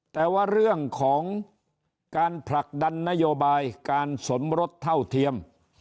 แต่ว่าเรื่องของการผลักดันนโยบายการสมรสเท่าเทียม